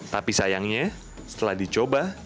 tapi sayangnya setelah dicoba